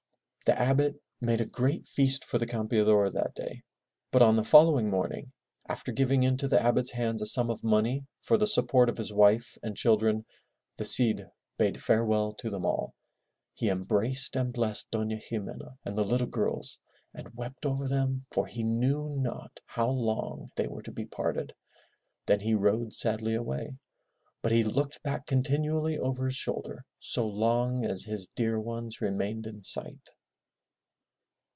The Abbot made a great feast for the Campeador that day, but on the following morning, after giving into the Abbot's hands a sum of money for the support of his wife and children, the Cid bade farewell to them all. He embraced and blessed Dofia Ximena and the little girls and wept over them for he knew not how long they were to be parted, then he rode sadly away. But he looked back continually over his shoulder so long as his dear ones remained in sight.